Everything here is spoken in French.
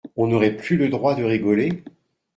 on n’aurait plus le droit de rigoler !